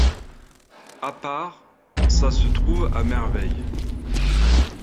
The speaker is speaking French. A part, Ca se trouve à merveille !